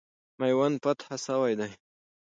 میوند فتح سوی دی.